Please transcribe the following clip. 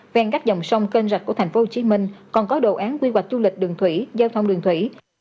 ven các dòng sông kênh rạch của tp hcm còn có đồ án quy hoạch du lịch đường thủy giao thông đường thủy